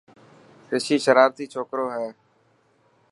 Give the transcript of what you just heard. رشي شرارتي ڇوڪرو هي.